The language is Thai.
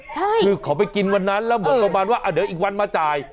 ใช่คือเขาไปกินวันนั้นแล้วเหมือนประมาณว่าเดี๋ยวอีกวันมาจ่าย